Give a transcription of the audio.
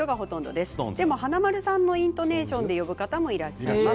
でも華丸さんのイントネーションで呼ぶ方もいらっしゃいます。